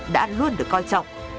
đã luôn được coi trọng